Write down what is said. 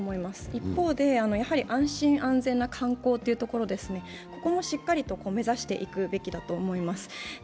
一方で、やはり安心・安全な観光というところですね、ここもしっかりと目指していくべきだと思います。